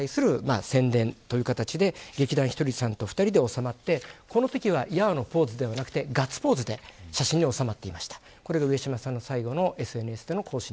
こちらに対する宣伝という形で劇団ひとりさんと２人で収まってこのときはヤーのポーズではなくてガッツポーズで写真に収まっていました。